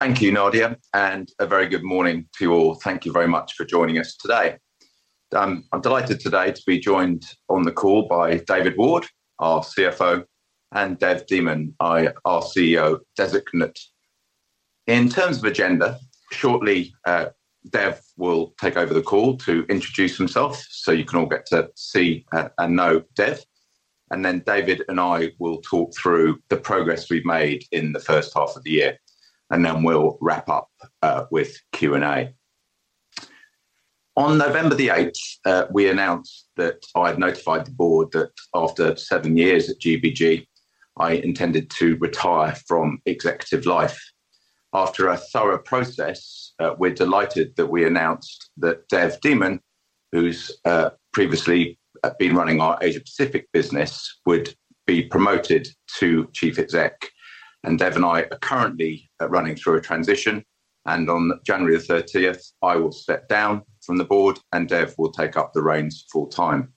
Thank you, Nadia, and a very good morning to you all. Thank you very much for joining us today. I'm delighted today to be joined on the call by David Ward, our CFO, and Dev Dhiman, our CEO designate. In terms of agenda, shortly, Dev will take over the call to introduce himself so you can all get to see and know Dev, and then David and I will talk through the progress we've made in the first half of the year, and then we'll wrap up with Q&A. On November 8th, we announced that I've notified the Board that after seven years at GBG, I intended to retire from executive life. After a thorough process, we're delighted that we announced that Dev Dhiman, who's previously been running our Asia Pacific business, would be promoted to chief exec. Dev and I are currently running through a transition, and on January 30th, I will step down from the board, and Dev will take up the reins full-time.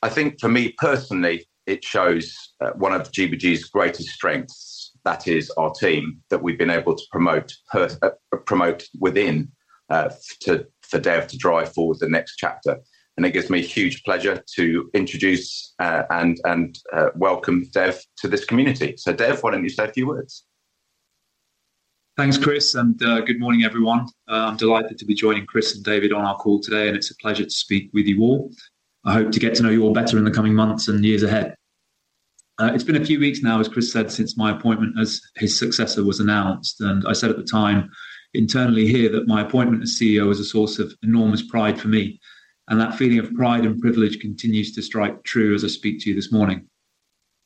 I think for me personally, it shows one of GBG's greatest strengths, that is our team, that we've been able to promote within for Dev to drive forward the next chapter. It gives me huge pleasure to introduce and welcome Dev to this community. So, Dev, why don't you say a few words? Thanks, Chris, and good morning, everyone. I'm delighted to be joining Chris and David on our call today, and it's a pleasure to speak with you all. I hope to get to know you all better in the coming months and years ahead. It's been a few weeks now, as Chris said, since my appointment as his successor was announced, and I said at the time, internally here, that my appointment as CEO is a source of enormous pride for me, and that feeling of pride and privilege continues to strike true as I speak to you this morning.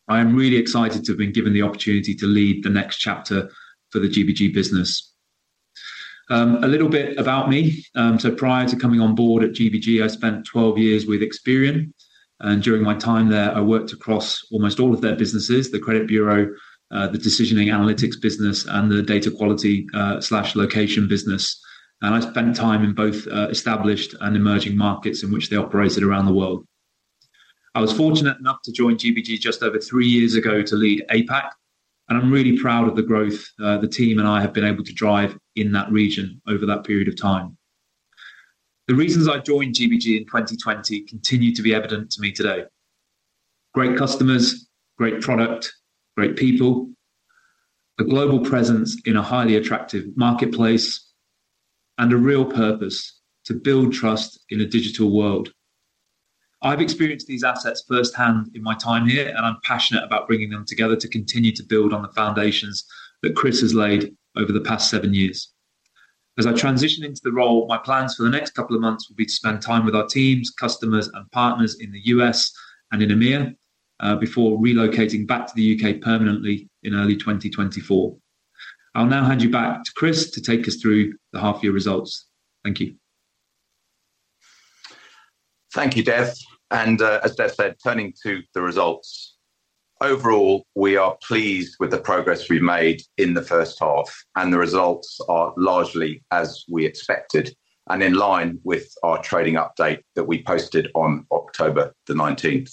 I am really excited to have been given the opportunity to lead the next chapter for the GBG business. A little bit about me. So prior to coming on board at GBG, I spent 12 years with Experian, and during my time there, I worked across almost all of their businesses, the credit bureau, the decisioning analytics business, and the data quality/location business. I spent time in both established and emerging markets in which they operated around the world. I was fortunate enough to join GBG just over three years ago to lead APAC, and I'm really proud of the growth, the team and I have been able to drive in that region over that period of time. The reasons I joined GBG in 2020 continue to be evident to me today. Great customers, great product, great people, a global presence in a highly attractive marketplace, and a real purpose to build trust in a digital world. I've experienced these assets firsthand in my time here, and I'm passionate about bringing them together to continue to build on the foundations that Chris has laid over the past seven years. As I transition into the role, my plans for the next couple of months will be to spend time with our teams, customers, and partners in the U.S. and in EMEA, before relocating back to the U.K. permanently in early 2024. I'll now hand you back to Chris to take us through the half-year results. Thank you. Thank you, Dev. And, as Dev said, turning to the results. Overall, we are pleased with the progress we've made in the first half, and the results are largely as we expected and in line with our trading update that we posted on October 19th.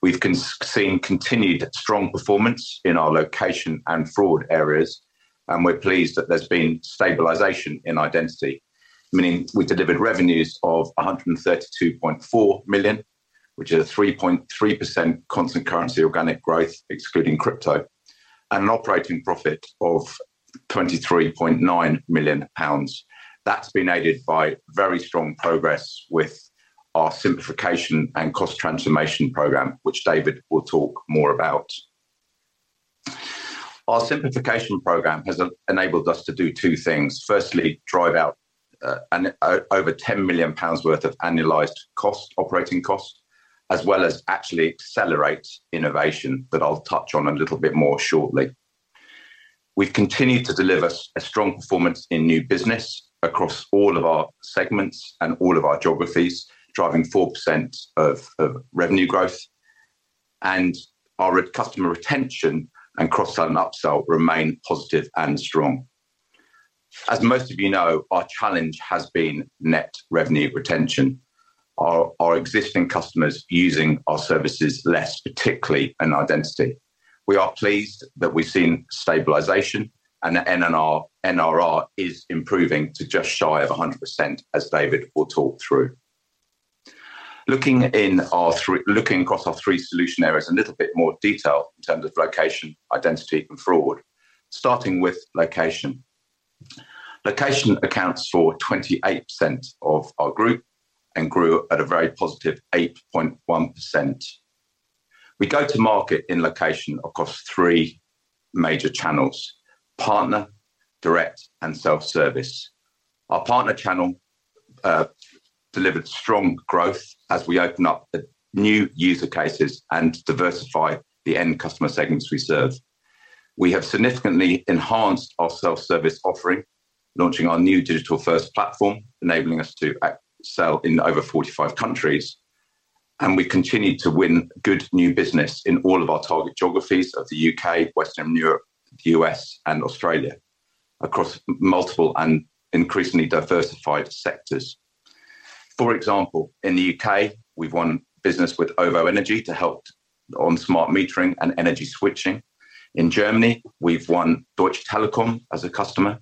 We've seen continued strong performance in our Location and Fraud areas, and we're pleased that there's been stabilization in Identity, meaning we delivered revenues of 132.4 million, which is a 3.3% constant currency organic growth, excluding crypto, and an operating profit of 23.9 million pounds. That's been aided by very strong progress with our simplification and cost transformation program, which David will talk more about. Our simplification program has enabled us to do two things. Firstly, drive out an over 10 million pounds worth of annualized costs, operating costs, as well as actually accelerate innovation, that I'll touch on a little bit more shortly. We've continued to deliver a strong performance in new business across all of our segments and all of our geographies, driving 4% of revenue growth, and our customer retention,, cross-sell and upsell remain positive and strong. As most of you know, our challenge has been net revenue retention, our existing customers using our services less, particularly in Identity. We are pleased that we've seen stabilization and that NRR is improving to just shy of 100%, as David will talk through. Looking across our three solution areas, a little bit more detail in terms of Location, Identity, and Fraud. Starting with Location. Location accounts for 28% of our group and grew at a very positive 8.1%. We go to market in Location across three major channels: partner, direct, and self-service. Our partner channel delivered strong growth as we open up new user cases and diversify the end customer segments we serve. We have significantly enhanced our self-service offering, launching our new digital-first platform, enabling us to sell in over 45 countries, and we continued to win good new business in all of our target geographies of the U.K., Western Europe, U.S., and Australia, across multiple and increasingly diversified sectors. For example, in the U.K., we've won business with OVO Energy to help on smart metering and energy switching. In Germany, we've won Deutsche Telekom as a customer,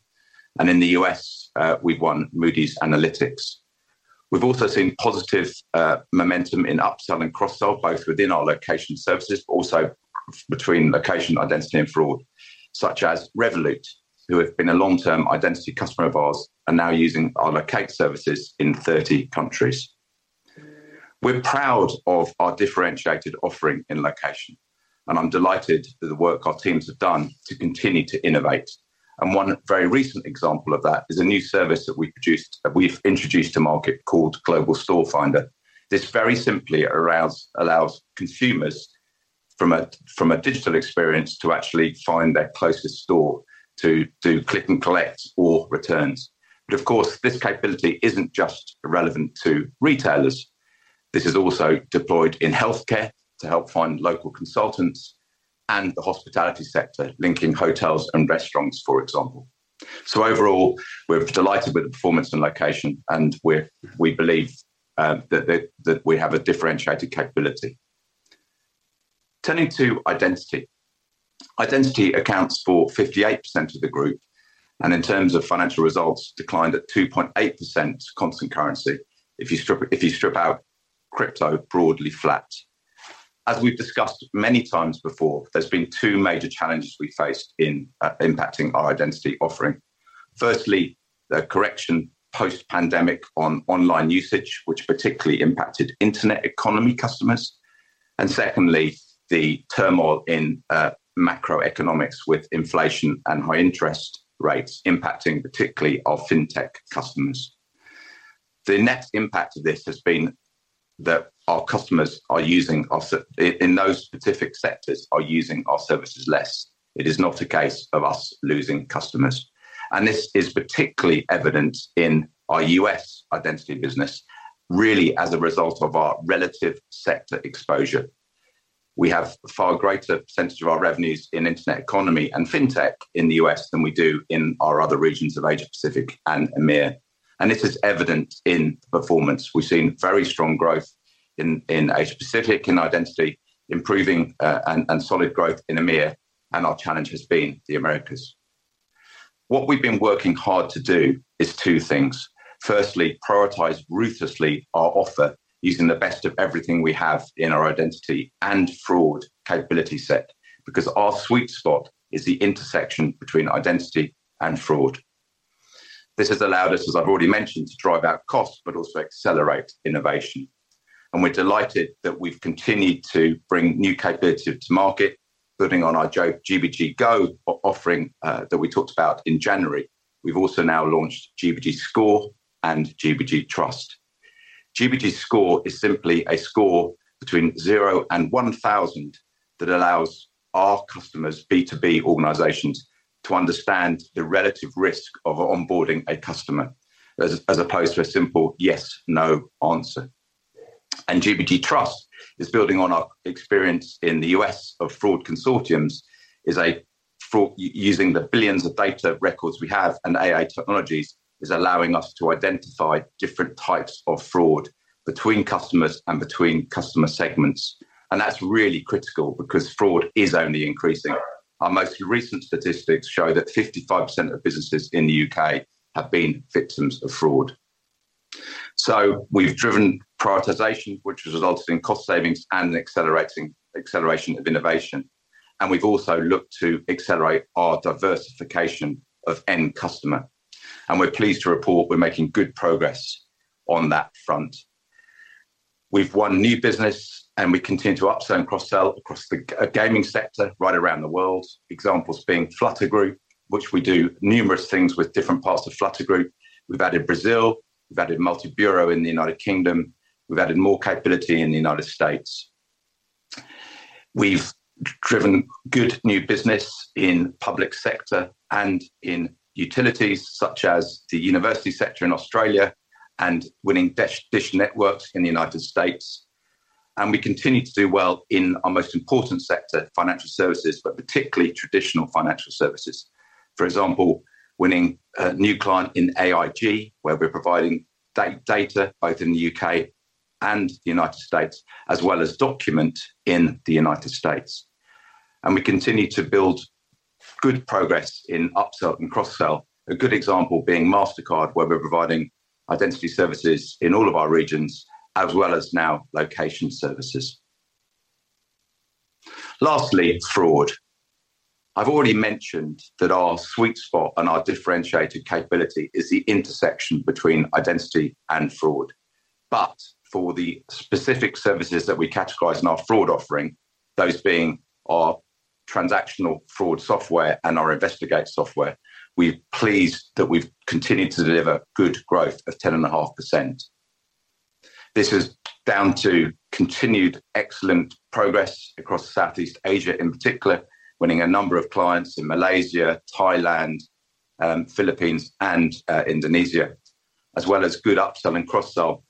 and in the U.S., we've won Moody's Analytics. We've also seen positive momentum in upsell and cross-sell, both within our Location services, but also between Location, Identity, and Fraud, such as Revolut, who have been a long-term identity customer of ours, are now using our Location services in 30 countries. We're proud of our differentiated offering in Location, and I'm delighted with the work our teams have done to continue to innovate. And one very recent example of that is a new service that we've introduced to market, called Global Store Finder. This very simply allows consumers from a digital experience to actually find their closest store to do click and collect or returns. But of course, this capability isn't just relevant to retailers. This is also deployed in healthcare to help find local consultants and the hospitality sector, linking hotels and restaurants, for example. So overall, we're delighted with the performance in Location, and we believe that we have a differentiated capability. Turning to Identity. Identity accounts for 58% of the group, and in terms of financial results, declined at 2.8% constant currency. If you strip out crypto, broadly flat. As we've discussed many times before, there's been two major challenges we faced in impacting our Identity offering. Firstly, the correction post-pandemic on online usage, which particularly impacted internet economy customers, and secondly, the turmoil in macroeconomics with inflation and high interest rates impacting particularly our fintech customers. The net impact of this has been that our customers are using our services in those specific sectors less. It is not a case of us losing customers. This is particularly evident in our U.S. Identity business, really, as a result of our relative sector exposure. We have a far greater percentage of our revenues in internet economy and fintech in the U.S. than we do in our other regions of Asia Pacific and EMEA, and this is evident in performance. We've seen very strong growth in Asia Pacific, in Identity, improving, and solid growth in EMEA, and our challenge has been the Americas. What we've been working hard to do is two things. Firstly, prioritize ruthlessly our offer, using the best of everything we have in our Identity and Fraud capability set, because our sweet spot is the intersection between Identity and Fraud. This has allowed us, as I've already mentioned, to drive out costs, but also accelerate innovation. We're delighted that we've continued to bring new capabilities to market, building on our GBG Go offering, that we talked about in January. We've also now launched GBG Score and GBG Trust. GBG Score is simply a score between 0 and 1,000, that allows our customers, B2B organizations, to understand the relative risk of onboarding a customer, as opposed to a simple yes, no answer. GBG Trust is building on our experience in the U.S. of fraud consortiums, is a fraud using the billions of data records we have, and AI technologies, is allowing us to identify different types of fraud between customers and between customer segments. That's really critical because fraud is only increasing. Our most recent statistics show that 55% of businesses in the U.K. have been victims of fraud. So we've driven prioritization, which has resulted in cost savings and acceleration of innovation, and we've also looked to accelerate our diversification of end customer, and we're pleased to report we're making good progress on that front. We've won new business, and we continue to upsell and cross-sell across the gaming sector right around the world. Examples being Flutter Group, which we do numerous things with different parts of Flutter Group. We've added Brazil, we've added Multi Bureau in the United Kingdom, we've added more capability in the United States. We've driven good new business in public sector and in utilities such as the university sector in Australia and winning Dish Networks in the United States. And we continue to do well in our most important sector, financial services, but particularly traditional financial services. For example, winning a new client in AIG, where we're providing data both in the U.K. and the United States, as well as document in the United States. We continue to build good progress in upsell and cross-sell. A good example being Mastercard, where we're providing Identity services in all of our regions, as well as now Location services. Lastly, Fraud. I've already mentioned that our sweet spot and our differentiated capability is the intersection between Identity and Fraud. But for the specific services that we categorize in our Fraud offering, those being our transactional fraud software and our Investigate software, we're pleased that we've continued to deliver good growth of 10.5%. This is down to continued excellent progress across Southeast Asia, in particular, winning a number of clients in Malaysia, Thailand, Philippines, and Indonesia, as well as good upsell and cross-sell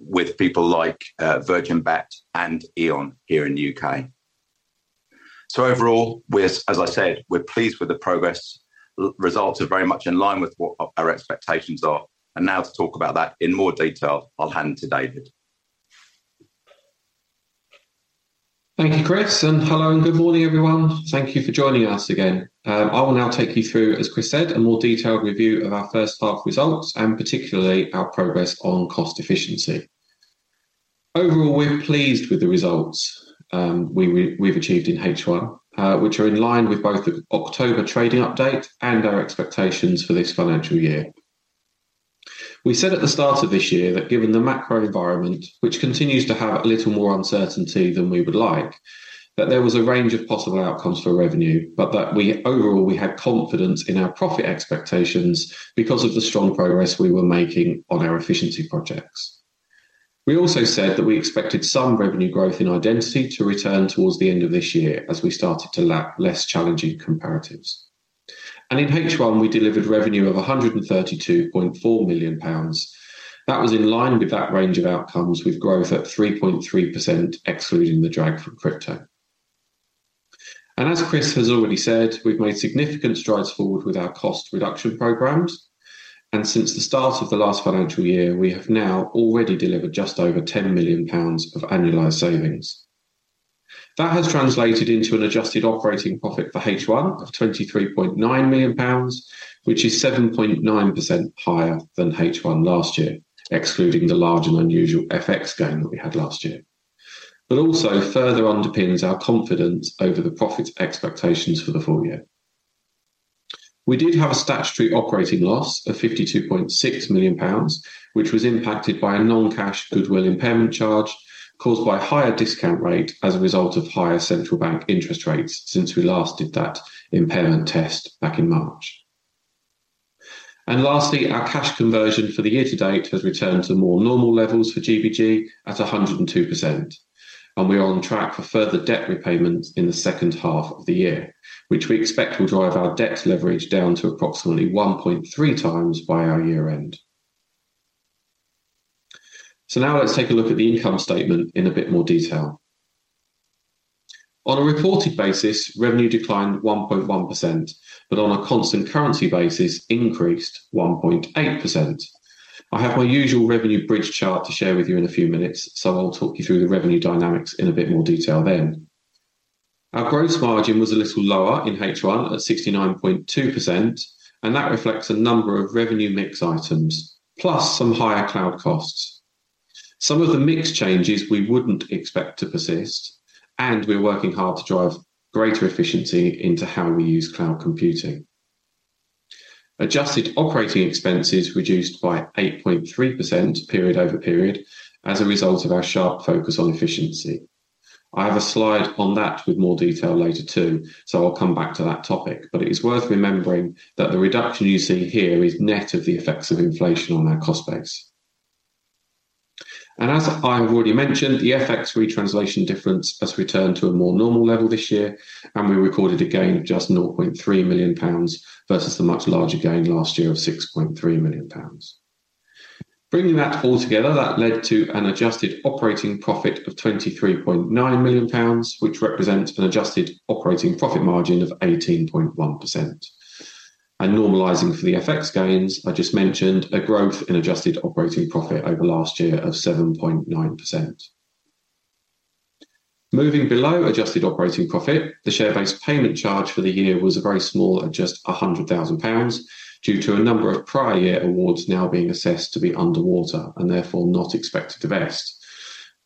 with people like Virgin Bet and E.ON here in the U.K. So overall, we're, as I said, we're pleased with the progress. Results are very much in line with what our expectations are. Now to talk about that in more detail, I'll hand to David. Thank you, Chris, and hello and good morning, everyone. Thank you for joining us again. I will now take you through, as Chris said, a more detailed review of our first half results, and particularly our progress on cost efficiency. Overall, we're pleased with the results we've achieved in H1, which are in line with both the October trading update and our expectations for this financial year. We said at the start of this year that given the macro environment, which continues to have a little more uncertainty than we would like, that there was a range of possible outcomes for revenue, but that overall, we had confidence in our profit expectations because of the strong progress we were making on our efficiency projects. We also said that we expected some revenue growth in Identity to return towards the end of this year as we started to lap less challenging comparatives. In H1, we delivered revenue of 132.4 million pounds. That was in line with that range of outcomes, with growth at 3.3%, excluding the drag from crypto. As Chris has already said, we've made significant strides forward with our cost reduction programs, and since the start of the last financial year, we have now already delivered just over 10 million pounds of annualized savings. That has translated into an adjusted operating profit for H1 of 23.9 million pounds, which is 7.9% higher than H1 last year, excluding the large and unusual FX gain that we had last year, but also further underpins our confidence over the profits expectations for the full year. We did have a statutory operating loss of 52.6 million pounds, which was impacted by a non-cash goodwill impairment charge caused by a higher discount rate as a result of higher central bank interest rates since we last did that impairment test back in March. Lastly, our cash conversion for the year-to-date has returned to more normal levels for GBG at 102%, and we're on track for further debt repayments in the second half of the year, which we expect will drive our debt leverage down to approximately 1.3x by our year-end. So now let's take a look at the income statement in a bit more detail. On a reported basis, revenue declined 1.1%, but on a constant currency basis, increased 1.8%. I have my usual revenue bridge chart to share with you in a few minutes, so I'll talk you through the revenue dynamics in a bit more detail then. Our gross margin was a little lower in H1 at 69.2%, and that reflects a number of revenue mix items, plus some higher cloud costs. Some of the mix changes we wouldn't expect to persist, and we're working hard to drive greater efficiency into how we use cloud computing. Adjusted operating expenses reduced by 8.3% period over period as a result of our sharp focus on efficiency. I have a slide on that with more detail later, too, so I'll come back to that topic, but it is worth remembering that the reduction you see here is net of the effects of inflation on our cost base. And as I have already mentioned, the FX retranslation difference has returned to a more normal level this year, and we recorded a gain of just 0.3 million pounds versus the much larger gain last year of 6.3 million pounds. Bringing that all together, that led to an adjusted operating profit of 23.9 million pounds, which represents an adjusted operating profit margin of 18.1%. And normalizing for the FX gains, I just mentioned a growth in adjusted operating profit over last year of 7.9%. Moving below adjusted operating profit, the share-based payment charge for the year was very small at just 100,000 pounds, due to a number of prior year awards now being assessed to be underwater and therefore not expected to vest.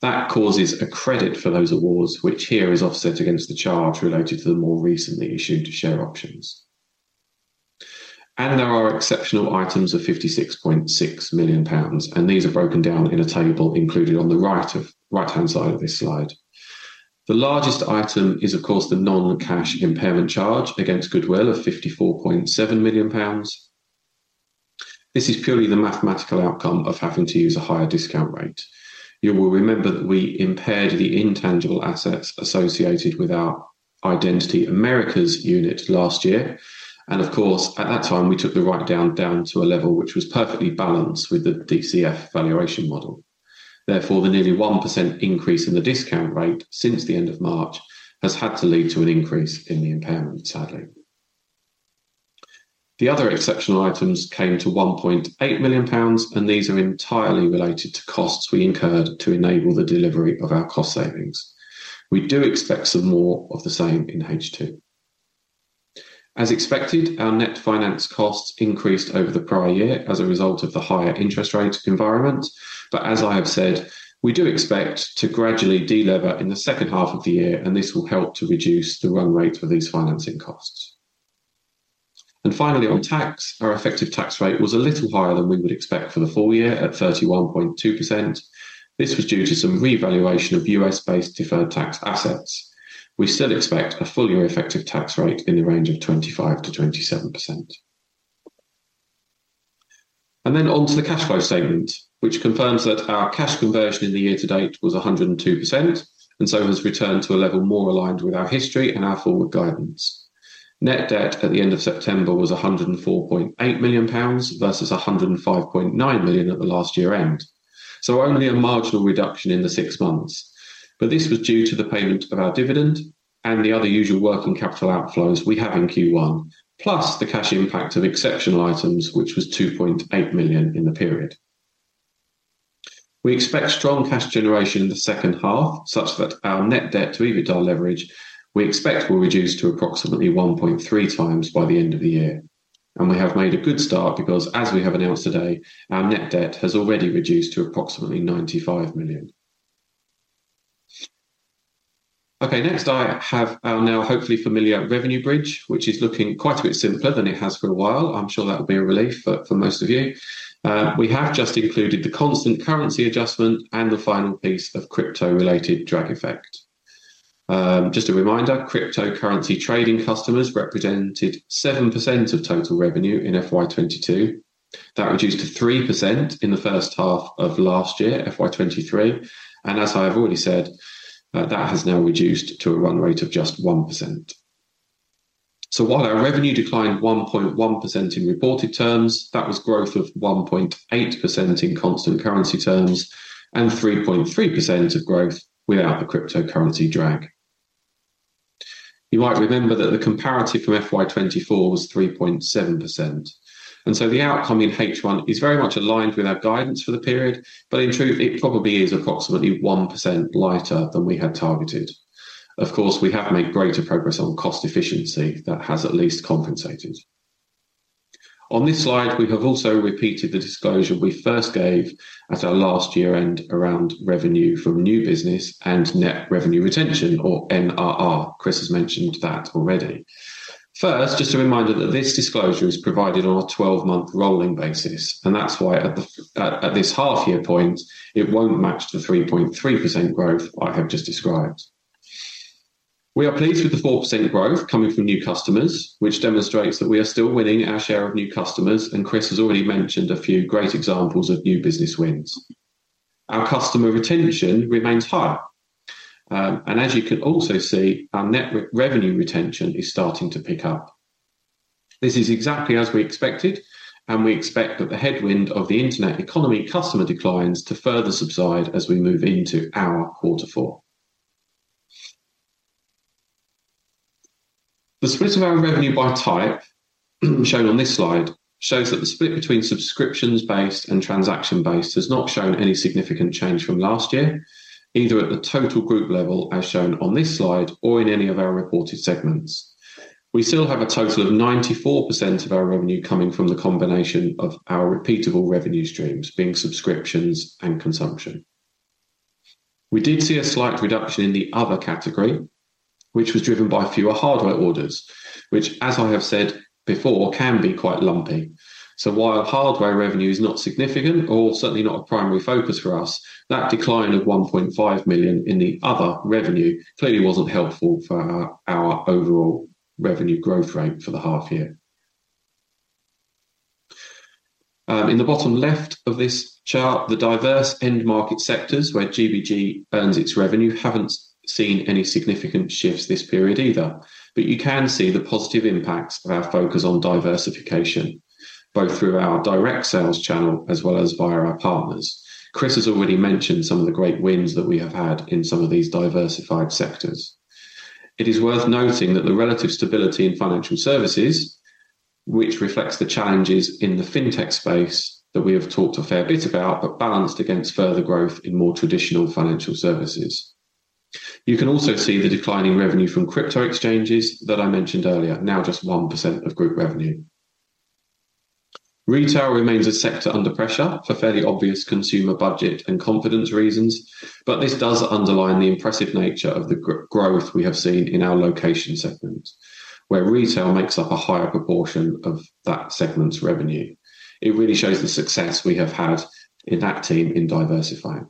That causes a credit for those awards, which here is offset against the charge related to the more recently issued share options. And there are exceptional items of 56.6 million pounds, and these are broken down in a table included on the right-hand side of this slide. The largest item is, of course, the non-cash impairment charge against goodwill of 54.7 million pounds. This is purely the mathematical outcome of having to use a higher discount rate. You will remember that we impaired the intangible assets associated with our Identity Americas unit last year, and of course, at that time, we took the write-down down to a level which was perfectly balanced with the DCF valuation model. Therefore, the nearly 1% increase in the discount rate since the end of March has had to lead to an increase in the impairment, sadly. The other exceptional items came to 1.8 million pounds, and these are entirely related to costs we incurred to enable the delivery of our cost savings. We do expect some more of the same in H2. As expected, our net finance costs increased over the prior year as a result of the higher interest rate environment. But as I have said, we do expect to gradually de-lever in the second half of the year, and this will help to reduce the run rate for these financing costs. And finally, on tax, our effective tax rate was a little higher than we would expect for the full year at 31.2%. This was due to some revaluation of U.S.-based deferred tax assets. We still expect a full year effective tax rate in the range of 25%-27%. And then on to the cash flow statement, which confirms that our cash conversion in the year to date was 102%, and so has returned to a level more aligned with our history and our forward guidance. Net debt at the end of September was 104.8 million pounds, versus 105.9 million at the last year end. So only a marginal reduction in the six months, but this was due to the payment of our dividend and the other usual working capital outflows we have in Q1, plus the cash impact of exceptional items, which was 2.8 million in the period. We expect strong cash generation in the second half, such that our net debt to EBITDA leverage, we expect will reduce to approximately 1.3x by the end of the year. And we have made a good start because, as we have announced today, our net debt has already reduced to approximately 95 million. Okay, next I have our now hopefully familiar revenue bridge, which is looking quite a bit simpler than it has for a while. I'm sure that will be a relief for, for most of you. We have just included the constant currency adjustment and the final piece of crypto-related drag effect. Just a reminder, cryptocurrency trading customers represented 7% of total revenue in FY 2022. That reduced to 3% in the first half of last year, FY 2023, and as I have already said, that has now reduced to a run rate of just 1%. So while our revenue declined 1.1% in reported terms, that was growth of 1.8% in constant currency terms and 3.3% growth without the cryptocurrency drag. You might remember that the comparative from FY 2024 was 3.7%, and so the outcome in H1 is very much aligned with our guidance for the period, but in truth, it probably is approximately 1% lighter than we had targeted. Of course, we have made greater progress on cost efficiency that has at least compensated. On this slide, we have also repeated the disclosure we first gave at our last year-end around revenue from new business and net revenue retention, or NRR. Chris has mentioned that already. First, just a reminder that this disclosure is provided on a twelve-month rolling basis, and that's why at this half year point, it won't match the 3.3% growth I have just described. We are pleased with the 4% growth coming from new customers, which demonstrates that we are still winning our share of new customers, and Chris has already mentioned a few great examples of new business wins. Our customer retention remains high. And as you can also see, our net revenue retention is starting to pick up. This is exactly as we expected, and we expect that the headwind of the internet economy customer declines to further subside as we move into our quarter four. The split of our revenue by type, shown on this slide, shows that the split between subscriptions-based and transaction-based has not shown any significant change from last year, either at the total group level, as shown on this slide, or in any of our reported segments. We still have a total of 94% of our revenue coming from the combination of our repeatable revenue streams, being subscriptions and consumption. We did see a slight reduction in the other category, which was driven by fewer hardware orders, which, as I have said before, can be quite lumpy. So while hardware revenue is not significant or certainly not a primary focus for us, that decline of 1.5 million in the other revenue clearly wasn't helpful for our overall revenue growth rate for the half year. In the bottom left of this chart, the diverse end market sectors where GBG earns its revenue haven't seen any significant shifts this period either, but you can see the positive impacts of our focus on diversification, both through our direct sales channel as well as via our partners. Chris has already mentioned some of the great wins that we have had in some of these diversified sectors. It is worth noting that the relative stability in financial services, which reflects the challenges in the fintech space that we have talked a fair bit about, but balanced against further growth in more traditional financial services. You can also see the declining revenue from crypto exchanges that I mentioned earlier, now just 1% of group revenue. Retail remains a sector under pressure for fairly obvious consumer budget and confidence reasons, but this does underline the impressive nature of the growth we have seen in our Location segment, where retail makes up a higher proportion of that segment's revenue. It really shows the success we have had in that team in diversifying.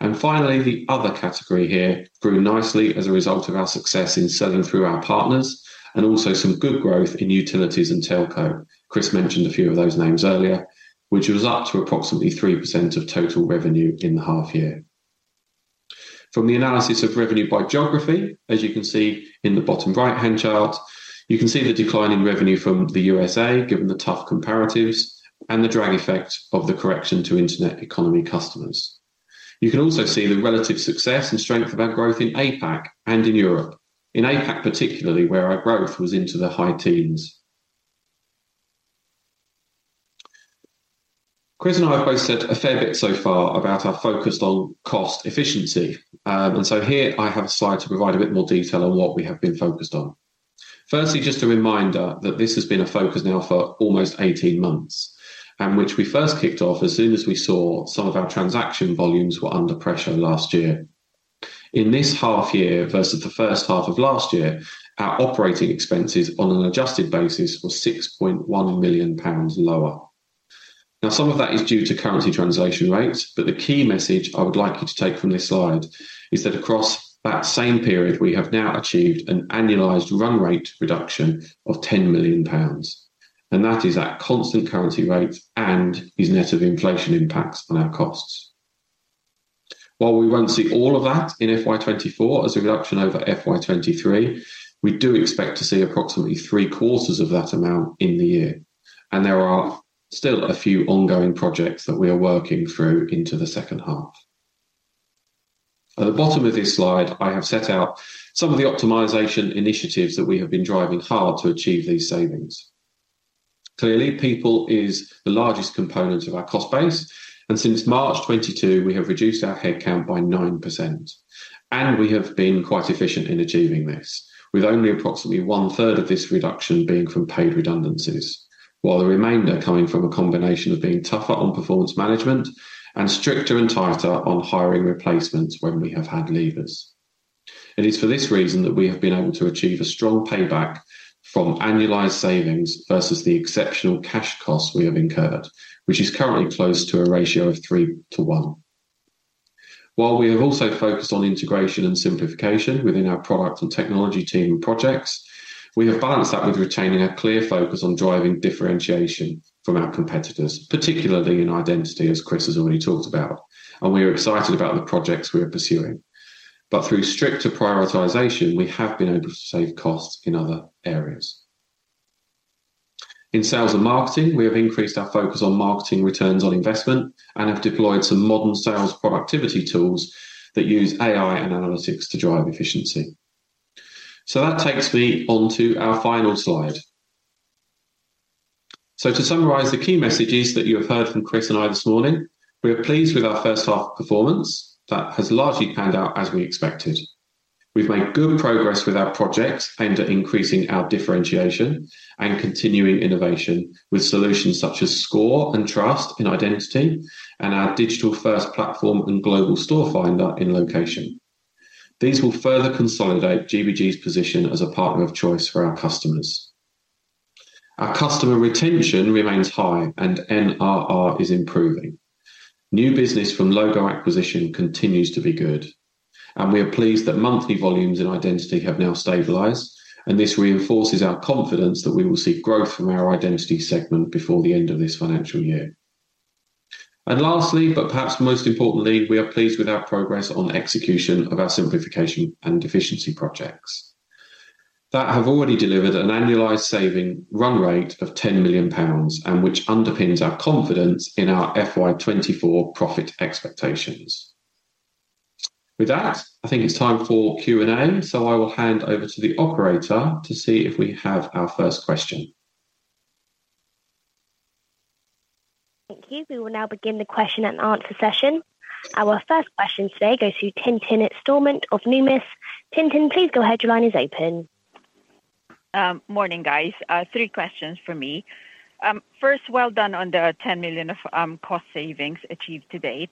And finally, the other category here grew nicely as a result of our success in selling through our partners and also some good growth in utilities and telco. Chris mentioned a few of those names earlier, which was up to approximately 3% of total revenue in the half year. From the analysis of revenue by geography, as you can see in the bottom right-hand chart, you can see the decline in revenue from the U.S.A., given the tough comparatives and the drag effect of the correction to internet economy customers. You can also see the relative success and strength of our growth in APAC and in Europe. In APAC, particularly, where our growth was into the high teens. Chris and I have both said a fair bit so far about our focus on cost efficiency. And so here I have a slide to provide a bit more detail on what we have been focused on. Firstly, just a reminder that this has been a focus now for almost 18 months, and which we first kicked off as soon as we saw some of our transaction volumes were under pressure last year. In this half year versus the first half of last year, our operating expenses on an adjusted basis were 6.1 million pounds lower. Now, some of that is due to currency translation rates, but the key message I would like you to take from this slide is that across that same period, we have now achieved an annualized run rate reduction of 10 million pounds, and that is at constant currency rates and is net of inflation impacts on our costs. While we won't see all of that in FY 2024 as a reduction over FY 2023, we do expect to see approximately three-quarters of that amount in the year, and there are still a few ongoing projects that we are working through into the second half. At the bottom of this slide, I have set out some of the optimization initiatives that we have been driving hard to achieve these savings. Clearly, people is the largest component of our cost base, and since March 2022, we have reduced our headcount by 9%. We have been quite efficient in achieving this, with only approximately one-third of this reduction being from paid redundancies, while the remainder coming from a combination of being tougher on performance management and stricter and tighter on hiring replacements when we have had leavers. It is for this reason that we have been able to achieve a strong payback from annualized savings versus the exceptional cash costs we have incurred, which is currently close to a ratio of 3 to 1. While we have also focused on integration and simplification within our product and technology team projects, we have balanced that with retaining a clear focus on driving differentiation from our competitors, particularly in Identity, as Chris has already talked about, and we are excited about the projects we are pursuing. Through stricter prioritization, we have been able to save costs in other areas. In sales and marketing, we have increased our focus on marketing returns on investment and have deployed some modern sales productivity tools that use AI and analytics to drive efficiency. So that takes me on to our final slide. So to summarize the key messages that you have heard from Chris and I this morning, we are pleased with our first half performance. That has largely panned out as we expected. We've made good progress with our projects aimed at increasing our differentiation and continuing innovation, with solutions such as Score and Trust in Identity and our digital-first platform and Global Store Finder in Location. These will further consolidate GBG's position as a partner of choice for our customers. Our customer retention remains high, and NRR is improving. New business from logo acquisition continues to be good, and we are pleased that monthly volumes in Identity have now stabilized, and this reinforces our confidence that we will see growth from our Identity segment before the end of this financial year. Lastly, but perhaps most importantly, we are pleased with our progress on the execution of our simplification and efficiency projects that have already delivered an annualized saving run rate of 10 million pounds, and which underpins our confidence in our FY 2024 profit expectations. With that, I think it's time for Q&A, so I will hand over to the operator to see if we have our first question. Thank you. We will now begin the question and answer session. Our first question today goes to Tintin Stormont of Deutsche Numis. Tintin, please go ahead. Your line is open. Morning, guys. Three questions for me. First, well done on the 10 million of cost savings achieved to date.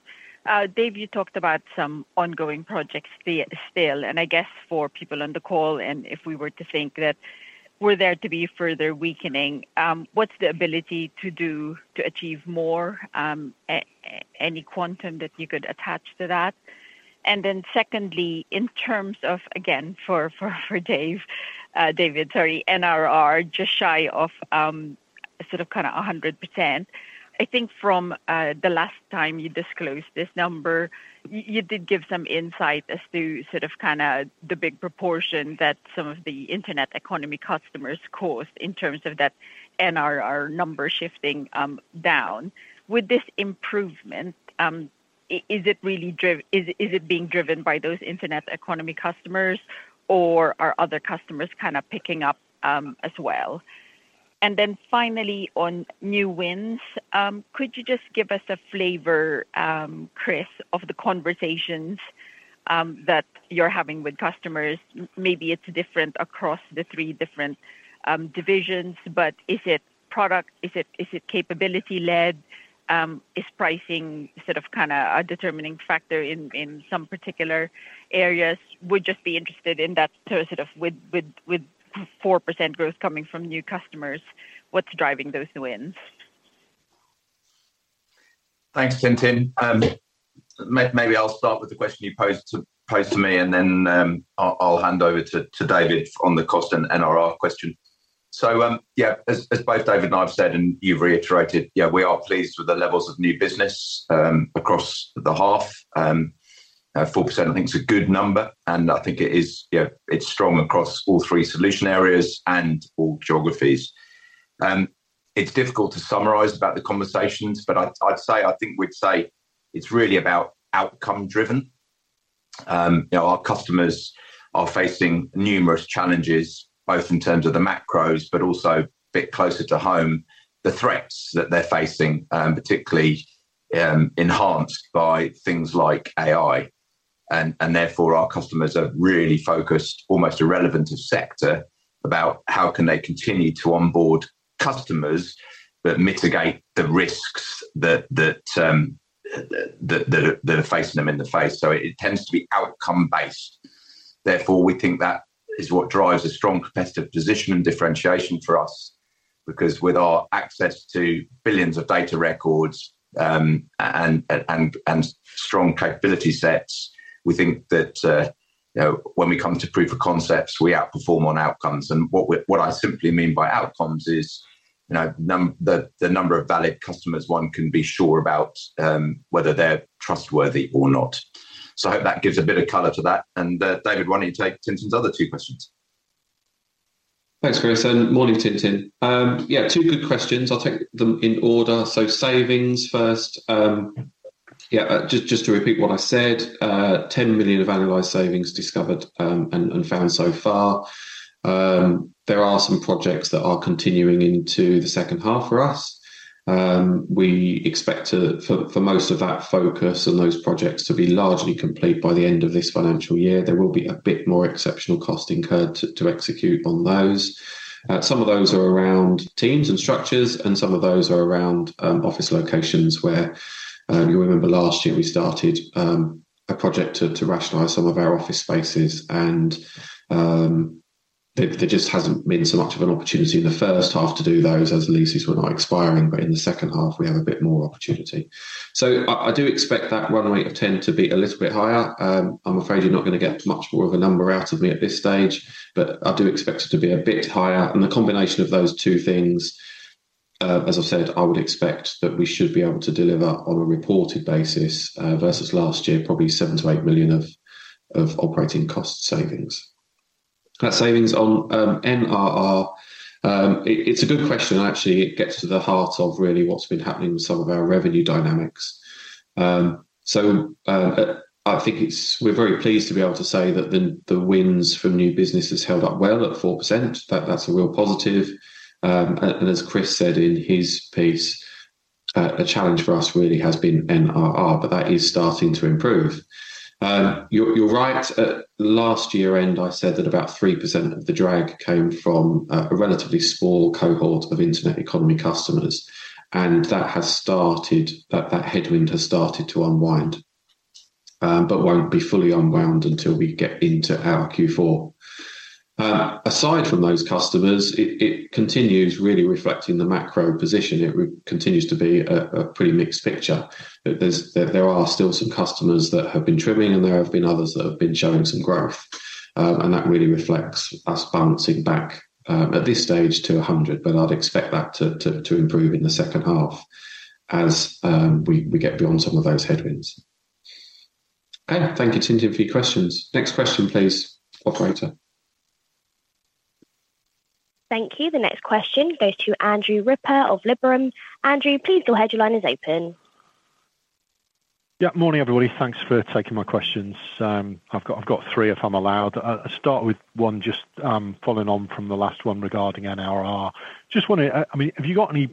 Dave, you talked about some ongoing projects still, and I guess for people on the call, and if we were to think that were there to be further weakening, what's the ability to do to achieve more? Any quantum that you could attach to that? And then secondly, in terms of, again, for Dave, David, sorry, NRR, just shy of sort of kinda 100%. I think from the last time you disclosed this number, you did give some insight as to sort of kinda the big proportion that some of the internet economy customers cost in terms of that NRR number shifting down. With this improvement, is it being driven by those internet economy customers, or are other customers kinda picking up as well? And then finally, on new wins, could you just give us a flavor, Chris, of the conversations that you're having with customers? Maybe it's different across the three different divisions, but is it product? Is it capability-led? Is pricing sort of kinda a determining factor in some particular areas? Would just be interested in that sort of with 4% growth coming from new customers, what's driving those new wins? Thanks, Tintin. Maybe I'll start with the question you posed to me, and then I'll hand over to David on the cost and NRR question. So, yeah, as both David and I have said, and you've reiterated, yeah, we are pleased with the levels of new business across the half. 4%, I think, is a good number, and I think, yeah, it's strong across all three solution areas and all geographies. It's difficult to summarize about the conversations, but I'd say, I think we'd say it's really about outcome-driven. You know, our customers are facing numerous challenges, both in terms of the macros, but also a bit closer to home, the threats that they're facing, particularly enhanced by things like AI. Therefore, our customers are really focused, almost irrelevant of sector, about how can they continue to onboard customers that mitigate the risks that are facing them in the face. So it tends to be outcome-based. Therefore, we think that is what drives a strong competitive position and differentiation for us. Because with our access to billions of data records and strong capability sets, we think that. You know, when we come to proof of concepts, we outperform on outcomes. And what we, what I simply mean by outcomes is, you know, the number of valid customers one can be sure about, whether they're trustworthy or not. So I hope that gives a bit of color to that. And, David, why don't you take Tintin's other two questions? Thanks, Chris, and morning, Tintin. Yeah, two good questions. I'll take them in order. So savings first. Yeah, just to repeat what I said, 10 million of annualized savings discovered, and found so far. There are some projects that are continuing into the second half for us. We expect for most of that focus on those projects to be largely complete by the end of this financial year. There will be a bit more exceptional cost incurred to execute on those. Some of those are around teams and structures, and some of those are around office locations where you remember last year we started a project to rationalize some of our office spaces, and there just hasn't been so much of an opportunity in the first half to do those as leases were not expiring, but in the second half, we have a bit more opportunity. So I do expect that runway of 10 million to be a little bit higher. I'm afraid you're not gonna get much more of a number out of me at this stage, but I do expect it to be a bit higher. The combination of those two things, as I said, I would expect that we should be able to deliver on a reported basis, versus last year, probably 7 million-8 million of operating cost savings. That savings on NRR, it's a good question, and actually it gets to the heart of really what's been happening with some of our revenue dynamics. I think we're very pleased to be able to say that the wins from new business has held up well at 4%. That's a real positive. And as Chris said in his piece, a challenge for us really has been NRR, but that is starting to improve. You're right. At last year end, I said that about 3% of the drag came from a relatively small cohort of internet economy customers, and that headwind has started to unwind, but won't be fully unwound until we get into our Q4. Aside from those customers, it continues really reflecting the macro position. It continues to be a pretty mixed picture. There are still some customers that have been trimming, and there have been others that have been showing some growth. And that really reflects us bouncing back at this stage to 100, but I'd expect that to improve in the second half as we get beyond some of those headwinds. Okay. Thank you, Tintin, for your questions. Next question, please, operator. Thank you. The next question goes to Andrew Ripper of Liberum. Andrew, please, your line is open. Yeah, morning, everybody. Thanks for taking my questions. I've got three, if I'm allowed. I'll start with one just, following on from the last one regarding NRR. Just wondering, I mean, have you got any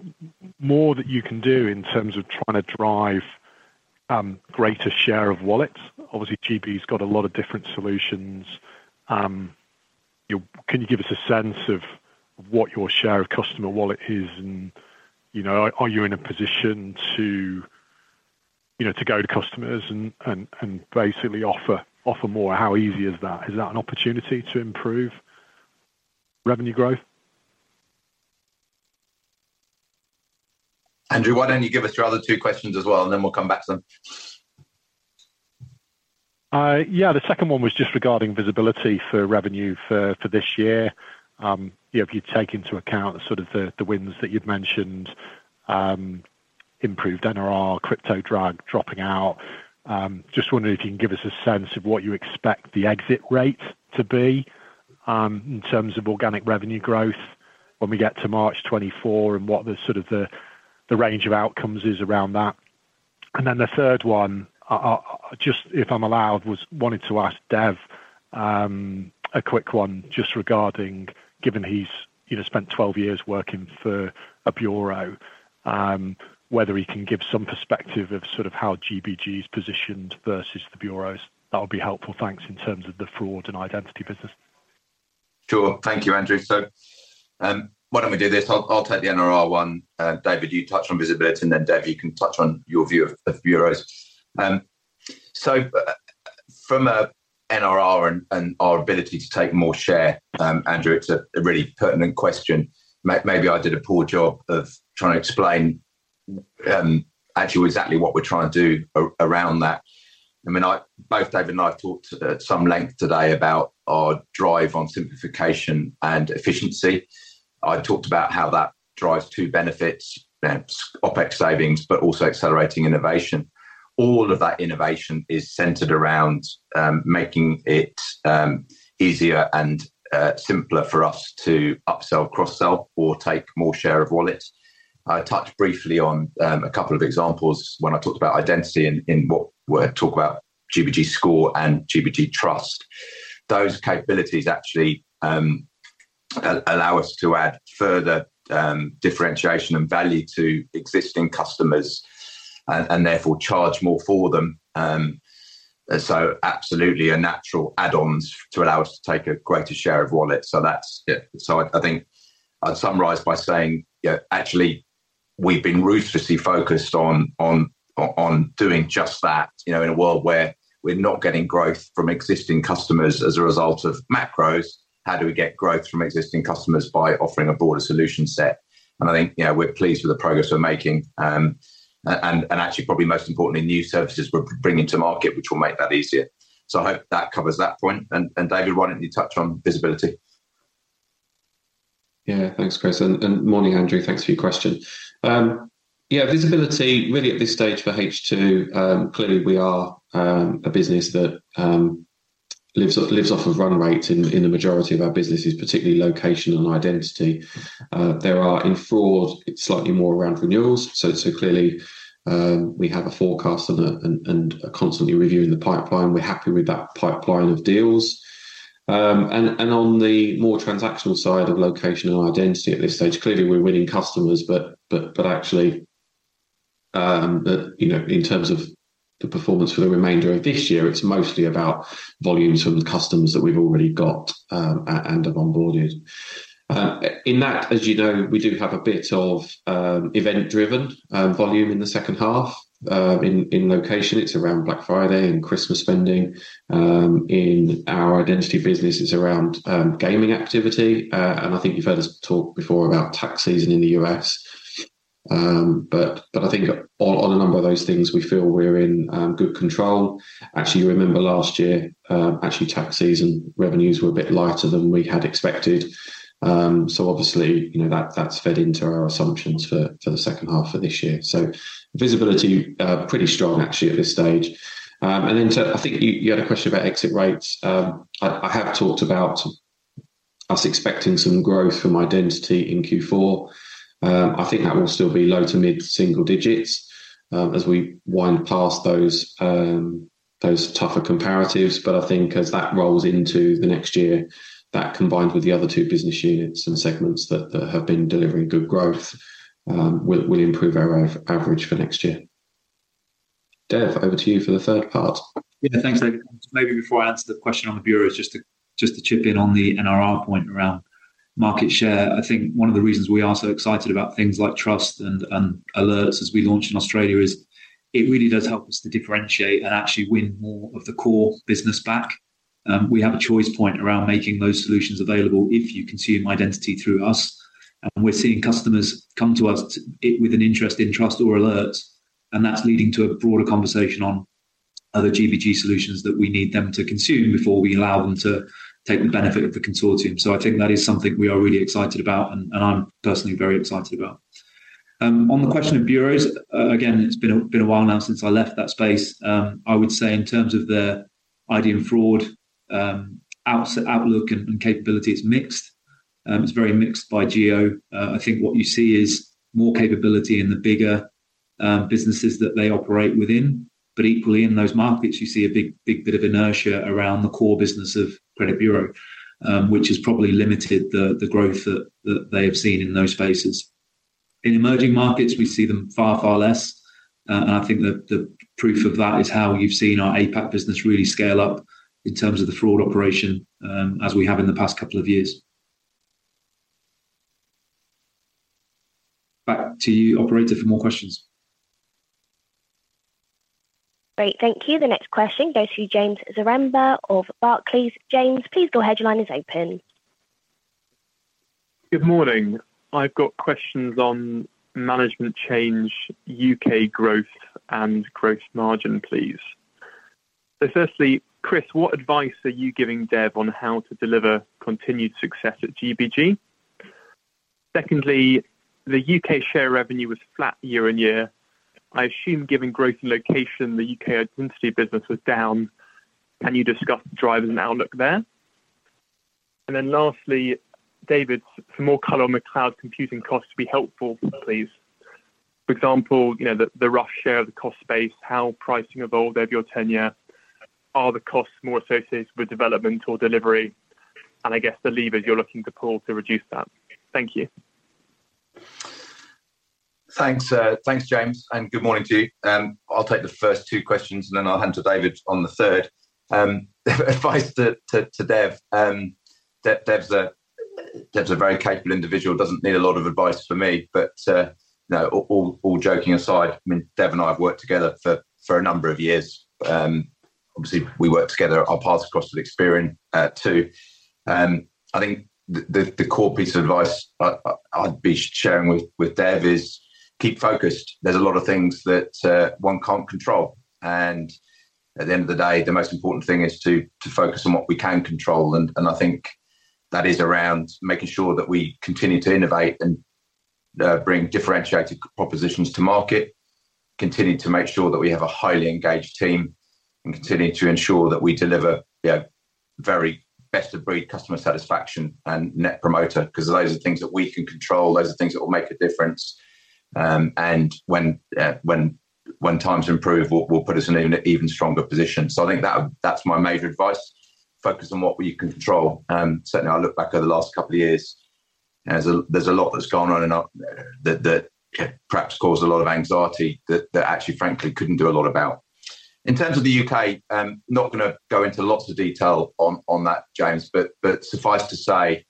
more that you can do in terms of trying to drive, greater share of wallet? Obviously, GB's got a lot of different solutions. You know, can you give us a sense of what your share of customer wallet is? And, you know, are, are you in a position to, you know, to go to customers and, and, and basically offer, offer more? How easy is that? Is that an opportunity to improve revenue growth? Andrew, why don't you give us your other two questions as well, and then we'll come back to them? Yeah, the second one was just regarding visibility for revenue for this year. You know, if you take into account sort of the wins that you've mentioned, improved NRR, crypto drag dropping out, just wondering if you can give us a sense of what you expect the exit rate to be in terms of organic revenue growth when we get to March 2024, and what the sort of the range of outcomes is around that. And then the third one, just if I'm allowed, was wanted to ask Dev a quick one, just regarding, given he's, you know, spent 12 years working for a bureau, whether he can give some perspective of sort of how GBG is positioned versus the bureaus. That would be helpful. Thanks. In terms of the Fraud and Identity business. Sure. Thank you, Andrew. So, why don't we do this? I'll take the NRR one, David, you touch on visibility, and then, Dev, you can touch on your view of bureaus. So from a NRR and our ability to take more share, Andrew, it's a really pertinent question. Maybe I did a poor job of trying to explain actually exactly what we're trying to do around that. I mean, both David and I talked at some length today about our drive on simplification and efficiency. I talked about how that drives two benefits, OpEx savings, but also accelerating innovation. All of that innovation is centered around making it easier and simpler for us to upsell, cross-sell, or take more share of wallet. I touched briefly on a couple of examples when I talked about Identity in what we talk about GBG Score and GBG Trust. Those capabilities actually allow us to add further differentiation and value to existing customers and therefore charge more for them. And so absolutely a natural add-ons to allow us to take a greater share of wallet. So that's it. So I think I'd summarize by saying, yeah, actually, we've been ruthlessly focused on doing just that. You know, in a world where we're not getting growth from existing customers as a result of macros, how do we get growth from existing customers by offering a broader solution set? And I think, you know, we're pleased with the progress we're making. And actually, probably most importantly, new services we're bringing to market, which will make that easier. So I hope that covers that point. David, why don't you touch on visibility? Yeah. Thanks, Chris, and morning, Andrew. Thanks for your question. Yeah, visibility, really at this stage for H2, clearly we are a business that lives off, lives off of run rate in the majority of our businesses, particularly Location and Identity. In Fraud, it's slightly more around renewals, so clearly we have a forecast and are constantly reviewing the pipeline. We're happy with that pipeline of deals. And on the more transactional side of Location and Identity at this stage, clearly, we're winning customers, but actually, you know, in terms of the performance for the remainder of this year, it's mostly about volumes from the customers that we've already got and have onboarded. In that, as you know, we do have a bit of event-driven volume in the second half, in Location. It's around Black Friday and Christmas spending. In our Identity business, it's around gaming activity. And I think you've heard us talk before about tax season in the U.S. But I think on a number of those things, we feel we're in good control. Actually, you remember last year, actually, tax season revenues were a bit lighter than we had expected. So obviously, you know, that's fed into our assumptions for the second half of this year. So visibility pretty strong actually at this stage. And then so I think you had a question about exit rates. I have talked about us expecting some growth from Identity in Q4. I think that will still be low to mid-single digits, as we wind past those tougher comparatives. But I think as that rolls into the next year, that combined with the other two business units and segments that have been delivering good growth, will improve our average for next year. Dev, over to you for the third part. Yeah. Thanks, David. Maybe before I answer the question on the bureaus, just to chip in on the NRR point around market share. I think one of the reasons we are so excited about things like Trust and Alerts as we launch in Australia is, it really does help us to differentiate and actually win more of the core business back. We have a choice point around making those solutions available if you consume Identity through us. And we're seeing customers come to us with an interest in Trust or Alerts, and that's leading to a broader conversation on other GBG solutions that we need them to consume before we allow them to take the benefit of the consortium. So I think that is something we are really excited about, and I'm personally very excited about. On the question of bureaus, again, it's been a while now since I left that space. I would say in terms of their ID and Fraud outlook and capability, it's mixed. It's very mixed by geo. I think what you see is more capability in the bigger businesses that they operate within, but equally in those markets, you see a big, big bit of inertia around the core business of credit bureau, which has probably limited the growth that they have seen in those spaces. In emerging markets, we see them far, far less, and I think the proof of that is how you've seen our APAC business really scale up in terms of the Fraud operation, as we have in the past couple of years. Back to you, operator, for more questions. Great, thank you. The next question goes to James Zaremba of Barclays. James, please your line is open. Good morning. I've got questions on management change, UK growth, and growth margin, please. So firstly, Chris, what advice are you giving Dev on how to deliver continued success at GBG? Secondly, the U.K. share revenue was flat year-over-year. I assume, given growth in Location, the U.K. Identity business was down. Can you discuss the drivers and outlook there? And then lastly, David, for more color on the cloud computing costs will be helpful, please. For example, you know, the rough share of the cost base, how pricing evolved over your tenure, are the costs more associated with development or delivery, and I guess the levers you're looking to pull to reduce that. Thank you. Thanks, James, and good morning to you. I'll take the first two questions, and then I'll hand to David on the third. Advice to Dev, Dev's a very capable individual, doesn't need a lot of advice from me. But, no, all joking aside, I mean, Dev and I have worked together for a number of years. Obviously, we worked together; our paths crossed at Experian, too. I think the core piece of advice I'd be sharing with Dev is keep focused. There's a lot of things that one can't control, and at the end of the day, the most important thing is to focus on what we can control. I think that is around making sure that we continue to innovate and bring differentiated propositions to market, continue to make sure that we have a highly engaged team, and continue to ensure that we deliver, you know, very best-of-breed customer satisfaction and net promoter. 'Cause those are the things that we can control. Those are the things that will make a difference, and when times improve, will put us in an even stronger position. So I think that's my major advice: Focus on what we can control. Certainly, I look back over the last couple of years, there's a lot that's gone on and that perhaps caused a lot of anxiety that actually, frankly, couldn't do a lot about. In terms of the U.K., I'm not gonna go into lots of detail on that, James, but suffice to say,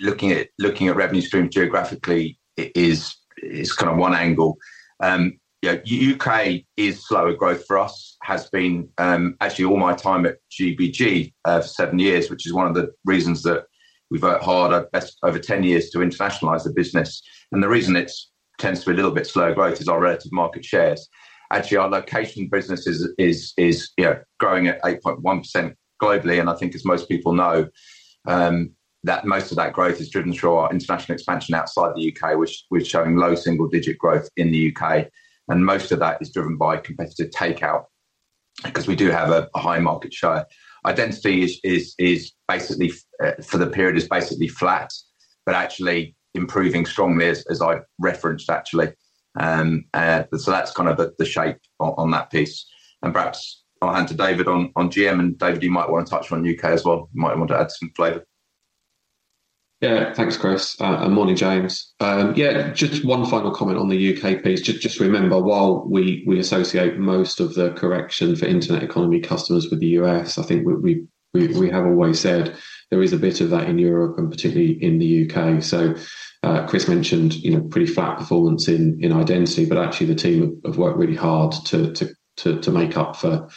looking at revenue streams geographically, it's kind of one angle. You know, U.K. is slower growth for us. Has been actually all my time at GBG for seven years, which is one of the reasons that we've worked hard at best over 10 years to internationalize the business, and the reason it tends to be a little bit slow growth is our relative market shares. Actually, our Location business is, you know, growing at 8.1% globally, and I think as most people know, that most of that growth is driven through our international expansion outside the U.K., which we're showing low single-digit growth in the U.K, and most of that is driven by competitive takeout, because we do have a high market share. Identity is basically, for the period, basically flat, but actually improving strongly as I referenced, actually. So that's kind of the shape on that piece. And perhaps I'll hand to David on GM, and David, you might want to touch on U.K. as well. You might want to add some flavor. Yeah. Thanks, Chris, and morning, James. Yeah, just one final comment on the U.K. piece. Just remember, while we associate most of the correction for internet economy customers with the U.S., I think we have always said there is a bit of that in Europe and particularly in the U.K. So, Chris mentioned, you know, pretty flat performance in Identity, but actually the team have worked really hard to make up for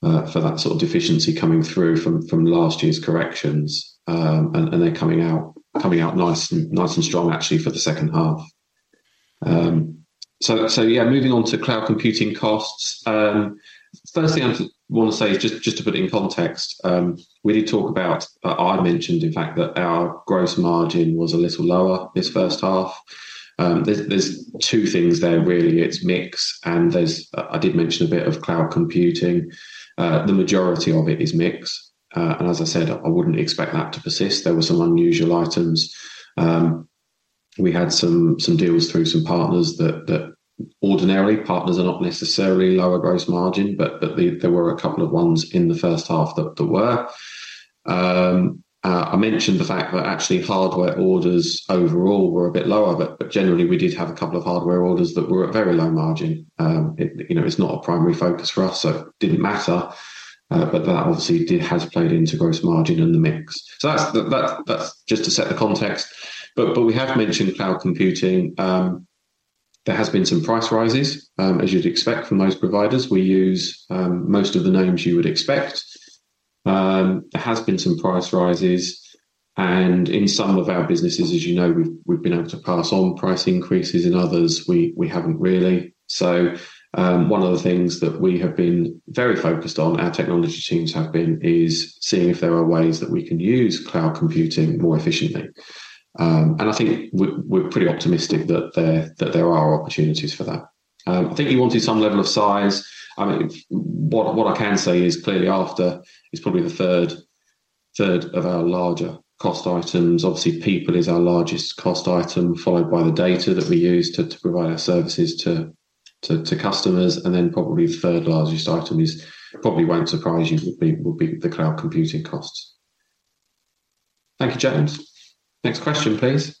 that sort of deficiency coming through from last year's corrections. And they're coming out nice and strong, actually, for the second half. So yeah, moving on to cloud computing costs. First thing I want to say is just to put it in context, we did talk about, I mentioned, in fact, that our gross margin was a little lower this first half. There's two things there, really. It's mix, and there's I did mention a bit of cloud computing. The majority of it is mix. And as I said, I wouldn't expect that to persist. There were some unusual items. We had some deals through some partners that ordinarily, partners are not necessarily lower gross margin, but there were a couple of ones in the first half that were. I mentioned the fact that actually hardware orders overall were a bit lower, but generally we did have a couple of hardware orders that were at very low margin. It, you know, it's not a primary focus for us, so it didn't matter, but that obviously has played into gross margin and the mix. So that's just to set the context. But we have mentioned cloud computing. There has been some price rises, as you'd expect from those providers. We use most of the names you would expect. There has been some price rises, and in some of our businesses, as you know, we've been able to pass on price increases, in others, we haven't really. So one of the things that we have been very focused on, our technology teams have been, is seeing if there are ways that we can use cloud computing more efficiently. And I think we're pretty optimistic that there are opportunities for that. I think you wanted some level of size. I mean, what I can say is clearly after, it's probably the third of our larger cost items. Obviously, people is our largest cost item, followed by the data that we use to provide our services to customers, and then probably the third largest item is, probably won't surprise you, would be the cloud computing costs. Thank you, James. Next question, please.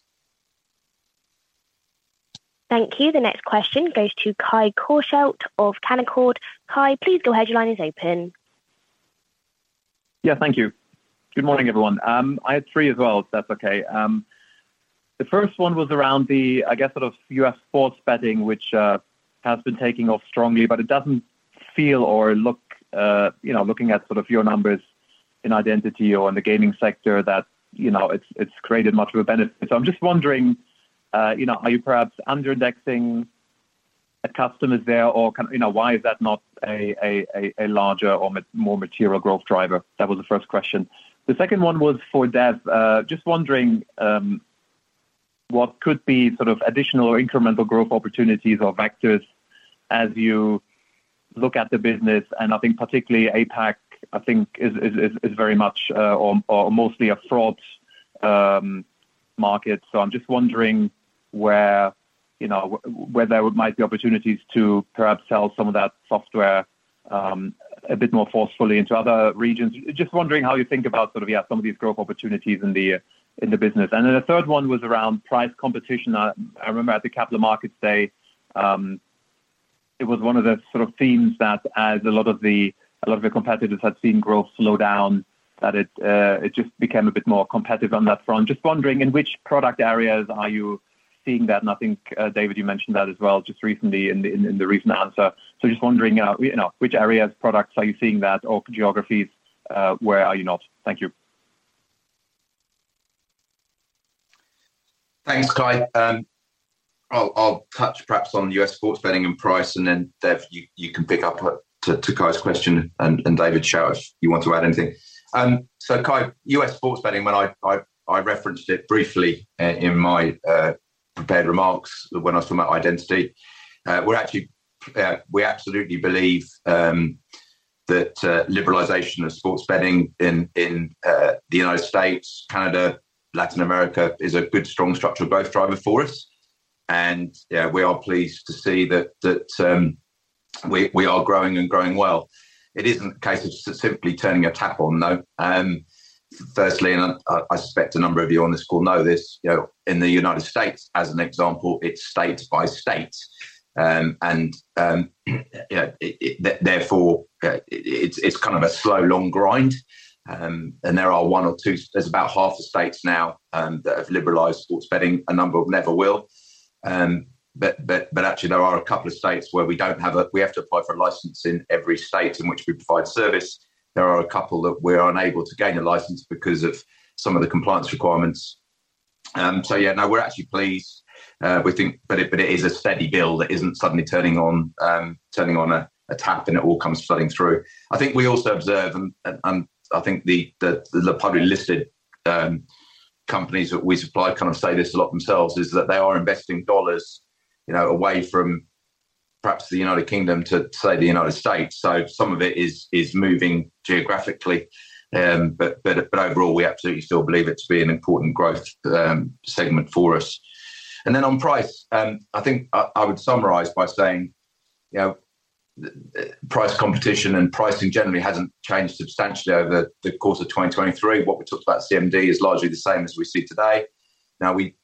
Thank you. The next question goes to Kai Korschelt of Canaccord. Kai, please go ahead. Your line is open. Yeah, thank you. Good morning, everyone. I had three as well, if that's okay. The first one was around the, I guess, sort of U.S. sports betting, which has been taking off strongly, but it doesn't feel or look, you know, looking at sort of your numbers in Identity or in the gaming sector, that, you know, it's created much of a benefit. So I'm just wondering, you know, are you perhaps under-indexing the customers there, or kind of, you know, why is that not a larger or more material growth driver? That was the first question. The second one was for Dev. Just wondering what could be sort of additional or incremental growth opportunities or vectors as you look at the business, and I think particularly APAC, I think is very much or mostly a fraud market. So I'm just wondering where, you know, where there might be opportunities to perhaps sell some of that software a bit more forcefully into other regions. Just wondering how you think about sort of, yeah, some of these growth opportunities in the business. And then the third one was around price competition. I remember at the Capital Markets Day, it was one of the sort of themes that as a lot of the competitors had seen growth slow down, that it just became a bit more competitive on that front. Just wondering, in which product areas are you seeing that? And I think, David, you mentioned that as well, just recently in the recent answer. So just wondering, you know, which areas, products are you seeing that, or geographies, where are you not? Thank you. Thanks, Kai. I'll touch perhaps on U.S. sports betting and price, and then, Dev, you can pick up to Kai's question, and David Ward, you want to add anything? So Kai, U.S. sports betting, when I referenced it briefly in my prepared remarks when I was talking about Identity. We're actually, we absolutely believe that liberalization of sports betting in the United States, Canada, Latin America, is a good, strong structural growth driver for us. And, yeah, we are pleased to see that we are growing and growing well. It isn't a case of just simply turning a tap on, though. Firstly, and I suspect a number of you on this call know this, you know, in the United States, as an example, it's state by state. You know, therefore it's kind of a slow, long grind. There are one or two. There's about half the states now that have liberalized sports betting. A number of them never will. But actually there are a couple of states where we don't have a license. We have to apply for a license in every state in which we provide service. There are a couple that we are unable to gain a license because of some of the compliance requirements. So yeah, no, we're actually pleased, we think, but it is a steady build that isn't suddenly turning on a tap, and it all comes flooding through. I think we also observe, and I think the publicly listed companies that we supply kind of say this a lot themselves, is that they are investing dollars, you know, away from perhaps the United Kingdom to, say, the United States. So some of it is moving geographically. But overall, we absolutely still believe it to be an important growth segment for us. And then on price, I think I would summarize by saying, you know, price competition and pricing generally hasn't changed substantially over the course of 2023. What we talked about at CMD is largely the same as we see today. Now, we,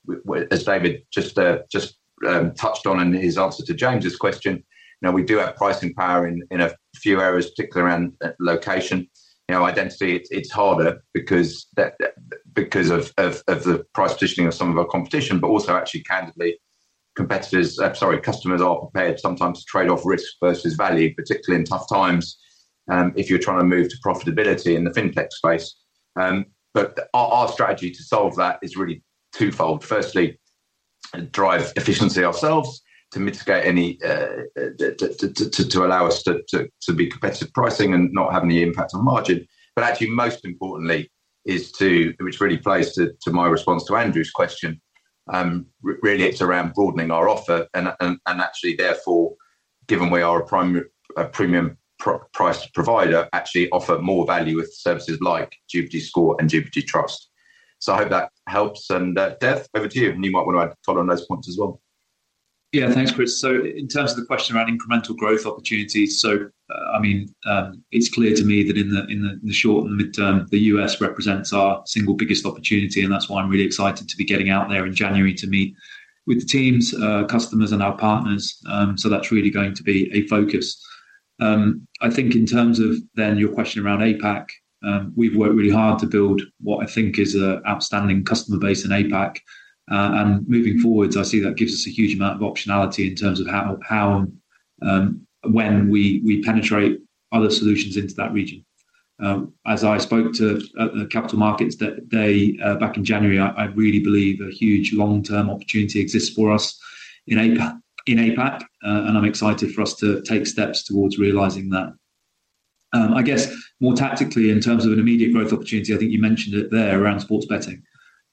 as David just touched on in his answer to James's question, you know, we do have pricing power in a few areas, particularly around Location. You know, Identity, it's harder because of the price positioning of some of our competition, but also actually, candidly, competitors—sorry, customers are prepared sometimes to trade off risk versus value, particularly in tough times, if you're trying to move to profitability in the fintech space. But our strategy to solve that is really twofold. Firstly, drive efficiency ourselves to mitigate any to allow us to be competitive pricing and not have any impact on margin. But actually, most importantly, is to, which really plays to my response to Andrew's question, really it's around broadening our offer and actually therefore, given we are a premium priced provider, actually offer more value with services like GBG Score and GBG Trust. So I hope that helps. Dev, over to you. You might want to add color on those points as well. Yeah, thanks, Chris. So in terms of the question around incremental growth opportunities, so, I mean, it's clear to me that in the short and mid-term, the U.S. represents our single biggest opportunity, and that's why I'm really excited to be getting out there in January to meet with the teams, customers, and our partners. So that's really going to be a focus. I think in terms of then your question around APAC, we've worked really hard to build what I think is a outstanding customer base in APAC. And moving forward, I see that gives us a huge amount of optionality in terms of how, when we penetrate other solutions into that region. As I spoke to the capital markets that day, back in January, I really believe a huge long-term opportunity exists for us in APAC, and I'm excited for us to take steps towards realizing that. I guess more tactically, in terms of an immediate growth opportunity, I think you mentioned it there around sports betting.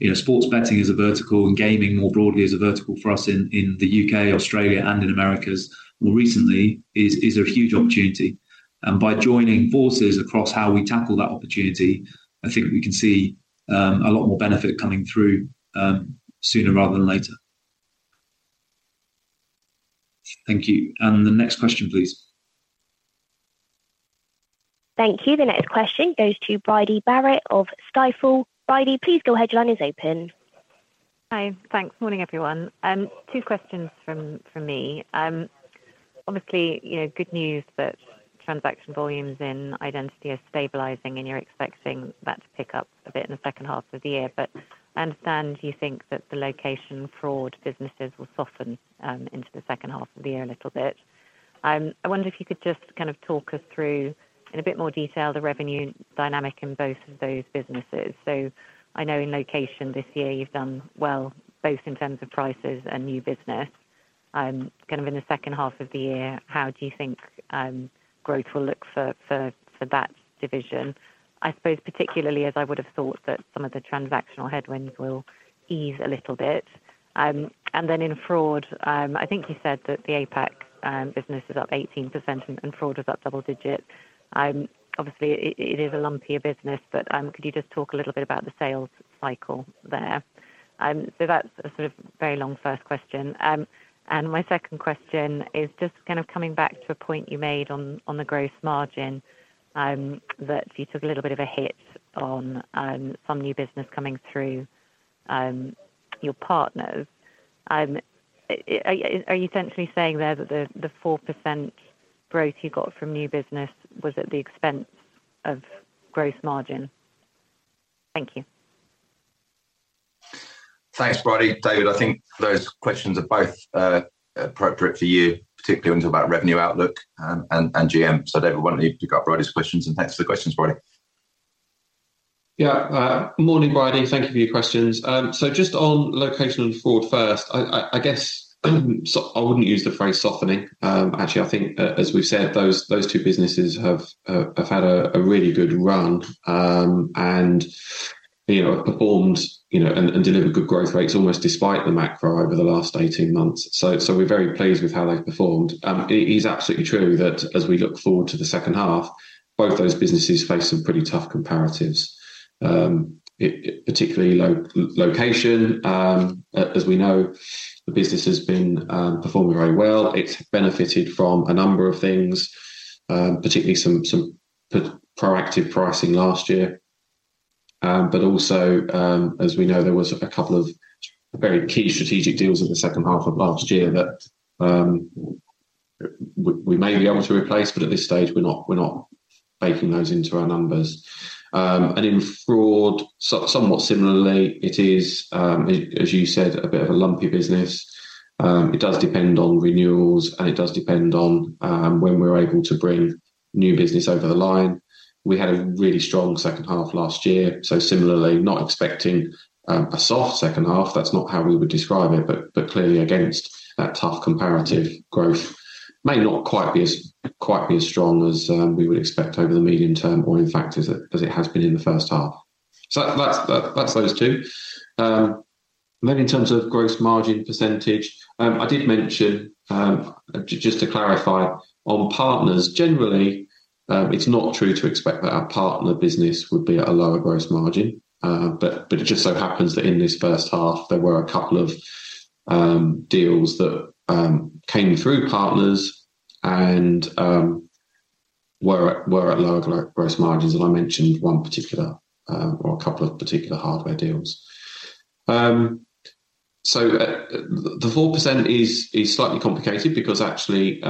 You know, sports betting is a vertical, and gaming more broadly is a vertical for us in the U.K., Australia, and in Americas, more recently, is a huge opportunity. And by joining forces across how we tackle that opportunity, I think we can see a lot more benefit coming through sooner rather than later. Thank you. And the next question, please. Thank you. The next question goes to Bridie Barrett of Stifel. Bridie, please go ahead. Your line is open. Hi. Thanks. Morning, everyone. Two questions from me. Obviously, you know, good news that transaction volumes in Identity are stabilizing, and you're expecting that to pick up a bit in the second half of the year. But I understand you think that the Location, Fraud businesses will soften into the second half of the year a little bit. I wonder if you could just kind of talk us through, in a bit more detail, the revenue dynamic in both of those businesses. So I know in Location this year, you've done well, both in terms of prices and new business. Kind of in the second half of the year, how do you think growth will look for that division? I suppose, particularly as I would have thought that some of the transactional headwinds will ease a little bit. And then in Fraud, I think you said that the APAC business is up 18% and Fraud is up double-digit. Obviously, it is a lumpier business, but could you just talk a little bit about the sales cycle there? So that's a sort of very long first question. And my second question is just kind of coming back to a point you made on the gross margin that you took a little bit of a hit on some new business coming through your partners. Are you essentially saying there that the 4% growth you got from new business was at the expense of gross margin? Thank you. Thanks, Bridie. David, I think those questions are both appropriate for you, particularly when we talk about revenue outlook, and GM. So David, why don't you pick up Bridie's questions, and thanks for the questions, Bridie. Yeah. Morning, Bridie. Thank you for your questions. So just on Location and Fraud first, I guess, so I wouldn't use the phrase softening. Actually, I think as we've said, those two businesses have had a really good run, and, you know, performed, you know, and delivered good growth rates almost despite the macro over the last 18 months. So we're very pleased with how they've performed. It, particularly Location, as we know, the business has been performing very well. It's benefited from a number of things, particularly some proactive pricing last year. But also, as we know, there was a couple of very key strategic deals in the second half of last year that we may be able to replace, but at this stage, we're not baking those into our numbers. And in Fraud, so somewhat similarly, it is as you said, a bit of a lumpy business. It does depend on renewals, and it does depend on when we're able to bring new business over the line. We had a really strong second half last year, so similarly, not expecting a soft second half. That's not how we would describe it, but clearly against that tough comparative growth may not quite be as strong as we would expect over the medium term or in fact, as it has been in the first half. So that's those two. Then in terms of gross margin percentage, I did mention, just to clarify on partners, generally, it's not true to expect that our partner business would be at a lower gross margin. But, but it just so happens that in this first half, there were a couple of deals that came through partners and were at lower gross margins, and I mentioned one particular, or a couple of particular hardware deals. So, the 4% is slightly complicated because actually,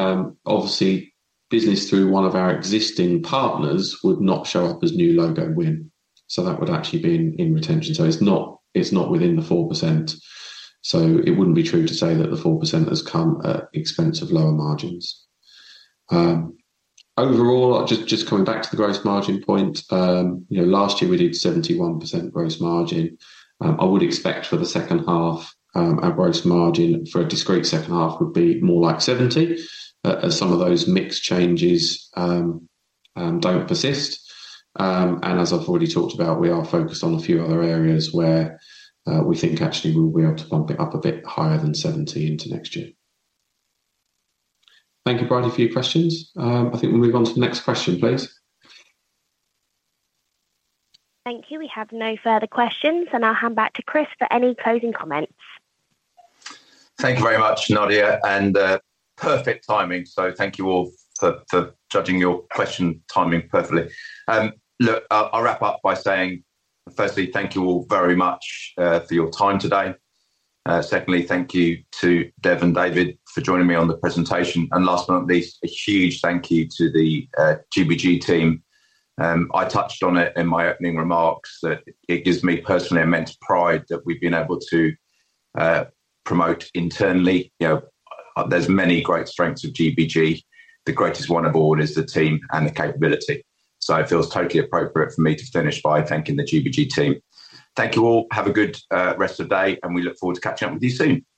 obviously, business through one of our existing partners would not show up as new logo win, so that would actually be in retention. So it's not within the 4%, so it wouldn't be true to say that the 4% has come at expense of lower margins. Overall, just, just coming back to the gross margin point, you know, last year we did 71% gross margin. I would expect for the second half, our gross margin for a discrete second half would be more like 70%, as some of those mix changes don't persist. And as I've already talked about, we are focused on a few other areas where we think actually we'll be able to bump it up a bit higher than 70% into next year. Thank you, Bridie, for your questions. I think we'll move on to the next question, please. Thank you. We have no further questions, and I'll hand back to Chris for any closing comments. Thank you very much, Nadia, and perfect timing, so thank you all for judging your question timing perfectly. Look, I'll wrap up by saying, firstly, thank you all very much for your time today. Secondly, thank you to Dev and David for joining me on the presentation. And last but not least, a huge thank you to the GBG team. I touched on it in my opening remarks that it gives me personally immense pride that we've been able to promote internally. You know, there's many great strengths of GBG. The greatest one of all is the team and the capability. So it feels totally appropriate for me to finish by thanking the GBG team. Thank you all. Have a good rest of the day, and we look forward to catching up with you soon.